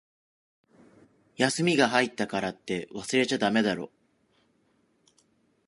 休みが入ったからって、忘れちゃだめだろ。